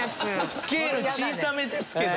「スケール小さめですけど」？